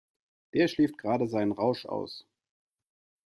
Der schläft gerade seinen Rausch aus.